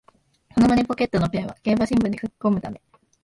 この胸ポケットのペンは競馬新聞に書きこむため